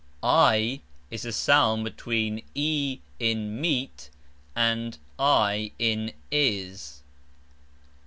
i is a sound between EE in mEEt and I in Is.